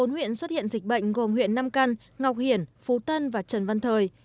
bốn huyện xuất hiện dịch bệnh gồm huyện nam căn ngọc hiển phú tân và trần văn thời